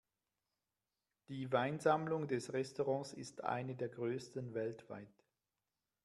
Die Weinsammlung des Restaurants ist eine der größten weltweit.